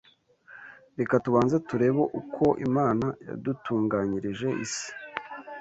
Reka tubanze turebe uko Imana yadutunganyirije isi